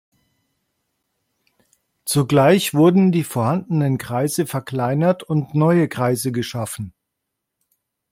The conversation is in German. Zugleich wurden die vorhandenen Kreise verkleinert und neue Kreise geschaffen.